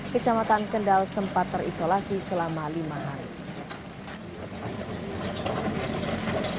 kecamatan kendal sempat terisolasi selama lima hari